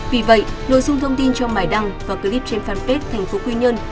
vì vậy nội dung thông tin trong bài đăng và clip trên fanpage thành phố quy nhơn